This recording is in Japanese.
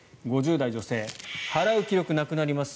５０代女性払う気力がなくなります。